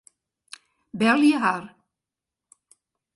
Belje har.